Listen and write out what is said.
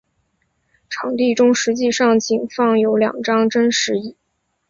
场地中实际上仅放有两张真实椅。